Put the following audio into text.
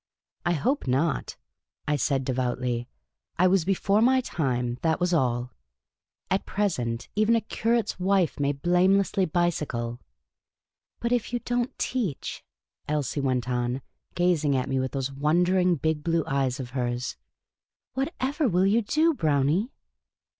" I hope not," I said devoutly. " I was before my time, that was all ; at present, even a curate's wife may blame lessly bicycle." " But if you don't teach," Elsie went on, gazing at me with those wondering big blue eyes of hers, " what ever will you do. Brownie?"